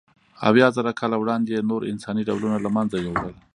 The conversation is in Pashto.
اویازره کاله وړاندې یې نور انساني ډولونه له منځه یووړل.